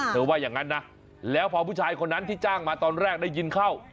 ว่าอย่างนั้นนะแล้วพอผู้ชายคนนั้นที่จ้างมาตอนแรกได้ยินเข้า